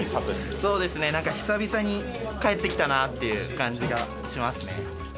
そうですね、なんか久々に帰ってきたなっていう感じがしますね。